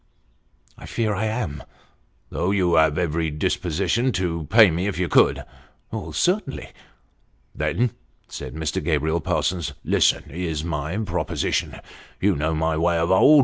I fear I am." ' Though you have every disposition to pay me if you could ?"' Certainly." ' Then," said Mr. Gabriel Parsons, " listen : here's my proposition. You know my way of old.